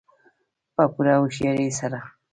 په پوره هوښیارۍ سره.